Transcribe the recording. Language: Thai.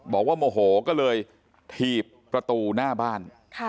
โมโหก็เลยถีบประตูหน้าบ้าน